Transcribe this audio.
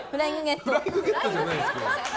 フライングゲットじゃないんですけど。